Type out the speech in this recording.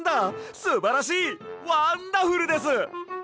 すばらしいワンダフルです！